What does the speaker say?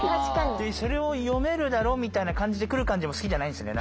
それを読めるだろみたいな感じで来る感じも好きじゃないんですよね